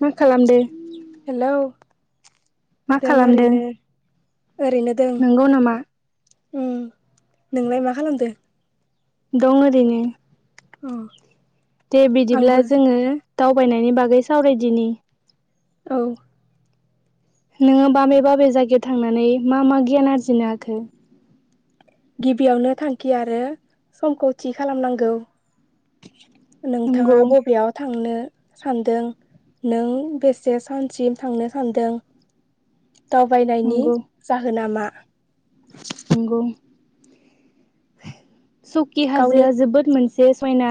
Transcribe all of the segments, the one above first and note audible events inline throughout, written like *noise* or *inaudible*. मा खालामदो। हेलौ मा दों खालामदों ओरैनो। ओरैनो दों। नंगौ नामा उम नोंलाय मा खालामदो। दं ओरैनो। अ। दे बिदिब्ला आंबो जोङो। दावबायनायनि बागै सावरायदिनि। औ। नोङो बाबे बाबे जायगायाव थांनानै मा मा गियान आरजिनो हाखो। गिबियावनो थांखि आरो समखौ थि खालामनांगौ। नंगौ नोंथाङा बबेयाव था थांनो सानदों नों बेसे सानसिम थांनो सानदों दावबायनायनि नंगौ जाहोना मा *unintelligible* नंगौ *unintelligible* सकि गावनि हाजोआ जोबोद मोन जे समायना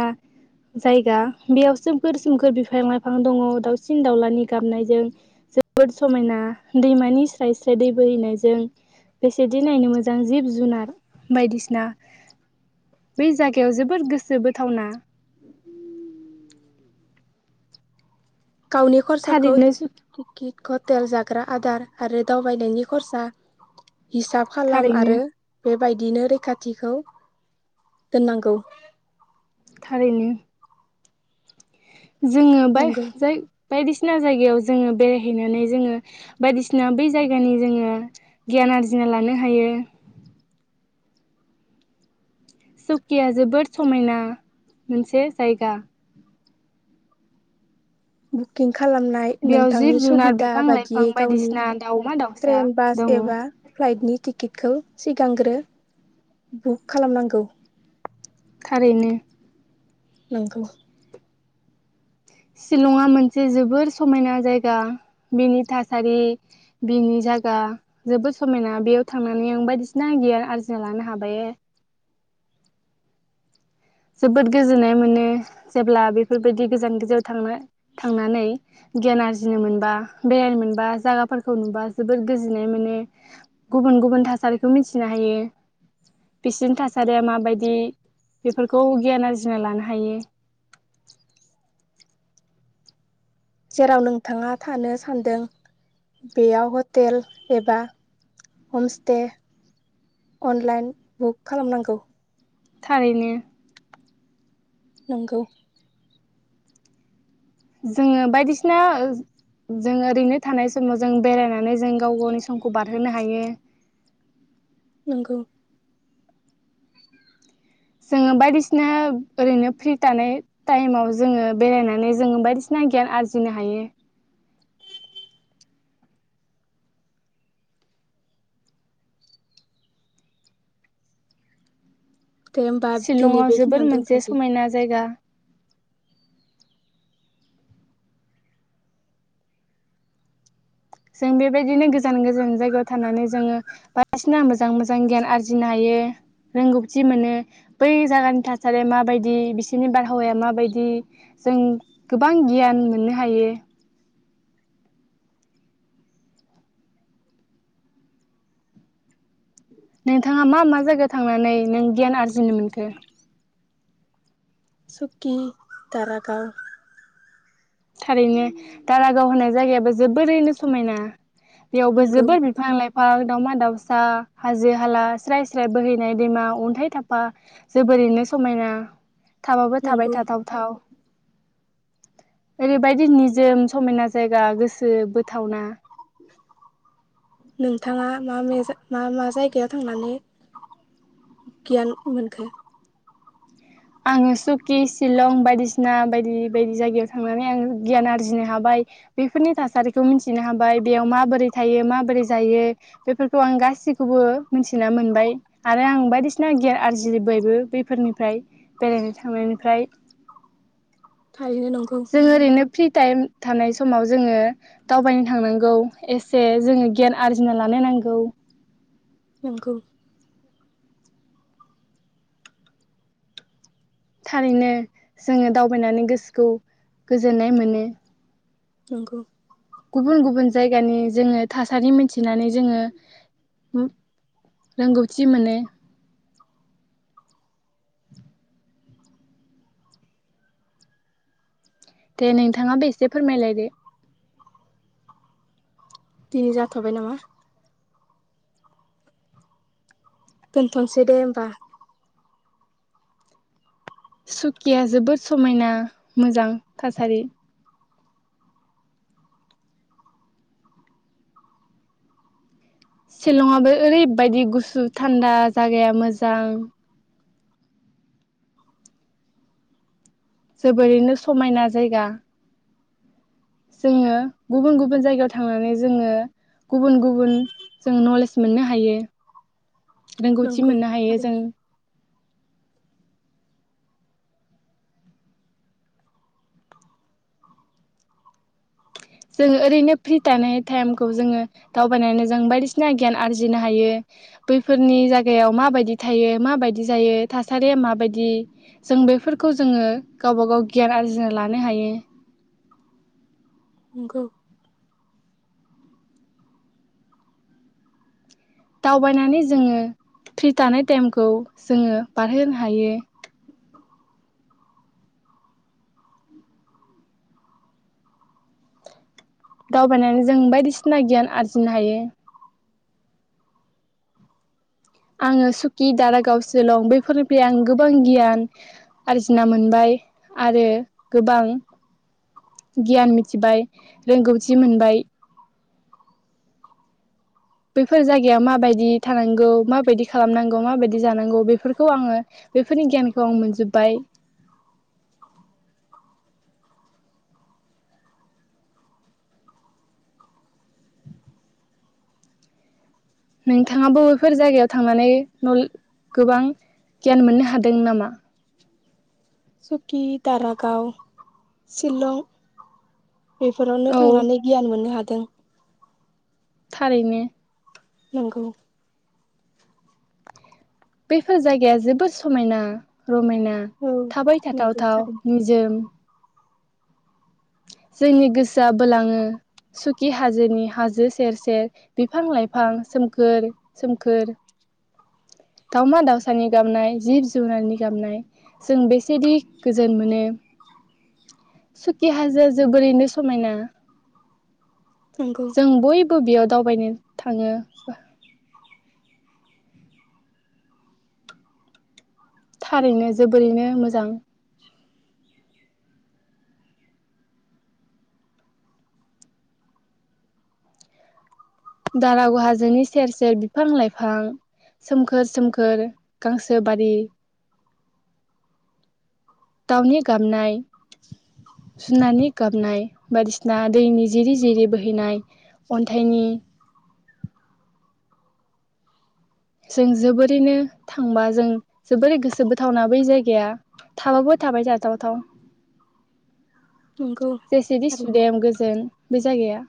जायगा बेयाव सोमखोर सोमखोर बिफां लाइफां दङ दावसिन दावउलानि गाबनायजों जोबोर समायना दैमानि स्राय स्राय दै बोहैनायजों बेसेदि नायनो मोजां जिब जुनार बायदिसिना। बै जायगायाव जोबोर गोसो बोथावना गावनि खरसाखौ थारैनो टिकि कटेल जाग्रा आदार आरो दावबायनायनि खरसा हिसाब खालाम थारैनो आरो बे बायदिनो रैखाथिखौ दोननांगौ। थारैनो जोङो बाय नंगौ जाय बायदिसिना जायगायाव जोङो बेरायहैनानै जोङो बायदिसिना बै जायगानि जोङो गियान आरजिना लानो हायो। सुकिया जोबोद समायना मोनसे जायगा। बुकिं खालामनाय बेयाव नोंथांनि जिब जुनार सुबिदा बिफां लाइफां बादियै गावनि बायदिसिना दाउमा दाउसा ट्रेन बास दङ एबा फ्लाइटनि टिकेट खौ सिगांग्रो बुक खालामनांगौ थारैनो नोंगौ शिलंआ मोनसे जोबोर समायना जायगा बिनि थासारि बिनि जायगा जोबोर समायना बेयाव थांनानै आं बायदिसिना गियान आरजिना लानो हाबाय जोबोद गोजोननाय मोनो जेब्ला बेफोरबायदि गोजान गोजानाव थांनो थांनानै गियान आरजिनो मोनबा बेरायनो मोनबा जायगाफोरखौ नुबा जोबोद गोजोननाय मोनो गुबुन गुबुन थासारिखौ मिथिनो हायो बिसनि थासारिया माबायदि बेफोरखौ गियान आरजिना लानो हायो। जेराव नोंथाङा थानो सानदों बेयाव हटेल एबा हमस्टे अनलाइन बुक खालामनांगौ। थारैनो नंगौ जोङो बायदिसिना जों ओरैनो थानाय समाव जों बेरायनानै जों गाव गावनि समखौ बारहोनो हायो। नंगौ जोङो बायदिसिना ओरैनो फ्रि थानाय टाइमाव जोङो बेरायनानै जोङो बायदिसिना गियान आरजिनो हायो। दे होमबा दिनै शिलंआ बेखिनियावनो जोबोर मोनसे दोनथ'सै समायना जायगा जों बेबायदिनो गोजान गोजान जायगायाव थानानै जोङो बायदिसिना मोजां मोजां गियान आरजिनो हायो रोंगौथि मोनो बै जायगानि थासारिया माबायदि बिसोरनि बारहावाया माबायदि जों गोबां गियान मोननो हायो। नोंथाङा मा मा जायगायाव थांनानै नों गियान आरजिनो मोनखो? सुकि, दारागाव थारैनो दारागाव होनाय जायगायाबो जोबोरैनो समायना बेयावबो नंगौ जोबोद बिफां लाइफां दावमा दाउसा हाजो हाला स्राय स्राय बोहैनाय दैमा अन्थाइ थाफा जोबोरैनो समायना थाबाबो थाबाय नंगौ थाथाव थाव। ओरैबायदि निजोम समायना जायगा गोसो बोथावना नोंथाङा मा मे मा मा जायगायाव थांनानै गियान मोनखो? आङो सुकि शिलं बायदिसिना बायदि बायदि जायगायाव थांनानै आङो गियान आरजिनो हाबाय बेफोरनि थासारिखौ मिथिनो हाबाय बेयाव माबोरै थायो माबोरै जायो बेफोरखौ आं गासैखौबो मिथिना मोनबाय आरो आं बायदिसिना गियान आरजिबायबो बेफोरनिफ्राय बेरायनो थांनायनिफ्राय थाहैनो नंगौ। जों ओरैनो फ्रि टाइम थानाय समाव जोङो दावबायनो थांनांगौ एसे जोङो गियान आरजिना लानो नांगौ। नंगौ। थारैनो जोङो दावबायनानै गोसोखौ गोजोननाय मोनो। नंगौ। गुबुन गुबुन जायगानि जोङो थासारि मिथिनानै जोङो उ रोंगौथि मोनो। दे नोंथाङाबो एसे फोरमायलायदो? दिनि जाथबाय नामा? दोनथसै दे होमबा। सुकिया जोबोद समायना मोजां थासारि शिलंआबो ओरैबायदि गुसु थान्दा जायागाया मोजां जोबोरैनो समायना जायगा जोङो गुबुन गुबुन जायगायाव थांनानै जोङो गुबुन गुबुन जों नलेज मोननो हायो। रोंगौथि नंगौ मोननो हायो जों थारैनो जोंङो ओरैनो फ्रि थानाय टाइमखौ जोङो दावबायनानै जों बायदिसिना गियान आरजिनो हायो बैफोरनि जायगायाव माबायदि थायो माबायदि जायो, थासारिया माबायदि जों बेफोरखौ जोङो गावबा गाव गियान आरजिना लानो हायो। नंगौ। दावबायनानै जोङो फ्रि थानाय टाइमखौ जोङो बारहोनो हायो। दावबायनानै जों बायदिसिना गियान आरजिनो हायो। आङो सुकि, दारागाव, सिलं बैफोरनिफ्राय आं गोबां गियान आरजिना मोनबाय आरो गोबां गियान मिथिबाय रोंगौथि मोनबाय बैफोर जायगायाव माबायदि थानांगौ माबायदि खालामनांगौ माबायदि जानांगौ बेफोरखौ आङो बेफोरनि गियानखौ आं मोनजोब्बाय। नोंथाङा बबेबाफोर जायगायाव थांनानै नले गोबां गियान मोननो हादों नामा? सुकि, दारागाव, सिलं बेफोरावनो औ थांनानै गियान मोननो हा दों। थारैनो। नंगौ। बेफोर जायगाया जोबोद समायना। रमायना औ थाबाय नंगौ थावथाव थारैनो निजोम जोंनि गोसोआ बोलाङो सुखि हाजोनि हाजो सेर सेर बिफां लाइफां सोमखोर सोमखोर। दावमा दाावसानि गाबनाय जिब जुनारनि गाबनाय जों बेसेदि गोजोन मोनो सुखि हाजोआ जोबोरैनो समायना। नंगौ जों बयबो बेयाव दावबायनो थाङो। थारैनो जोबोरैनो मोजां। मोजां। दारागाव हाजोनि सेर सेर बिफां लाइफां सोमखोर सोमखोर गांसो बारि दाउनि गाबनाय जुनारनि गाबनाय बायदिसिना दैनि जिरि जिरि बोहैनाय अन्थाइनि जों जोबोरैनो थांबा जों जोबोरै गोसो बोथावना बै जायगाया थाबाबो थाबाय थाथाव थाव। नंगौ जेसेदि थारैनो सुदेम गोजोन। बे जायगाया।